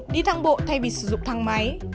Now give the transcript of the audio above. đi thang bộ thay vì sử dụng thang máy